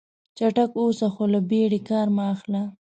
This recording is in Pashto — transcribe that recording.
چټک اوسه خو له بیړې کار مه اخله.